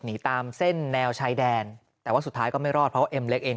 หนีตามเส้นแนวชายแดนแต่ว่าสุดท้ายก็ไม่รอดเพราะว่าเอ็มเล็กเอง